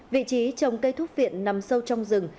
vị trí trồng cây thuốc viện nằm sâu trong rừng